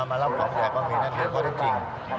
มารับของแขกก็มีนั่นคือข้อที่จริง